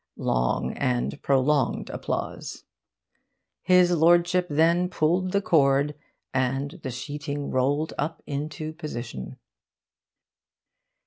(Loud and prolonged applause.) His Lordship then pulled the cord, and the sheeting rolled up into position...